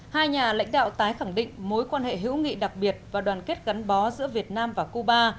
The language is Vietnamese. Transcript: hai nhà lãnh đạo tái khẳng định mối quan hệ hữu nghị đặc biệt và đoàn kết gắn bó giữa việt nam và cuba